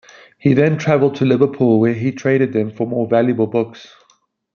He then traveled to Liverpool where he traded them for more valuable books.